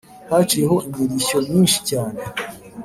haciyeho imirishyo myinshi cyane